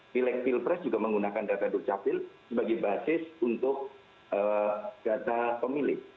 pileg pilpres juga menggunakan data dukcapil sebagai basis untuk data pemilih